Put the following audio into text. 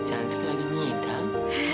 cantik lagi nidam